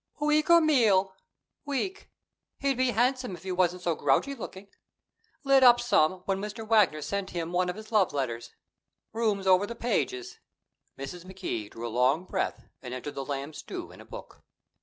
"Week or meal?" "Week. He'd be handsome if he wasn't so grouchy looking. Lit up some when Mr. Wagner sent him one of his love letters. Rooms over at the Pages'." Mrs. McKee drew a long breath and entered the lamb stew in a book.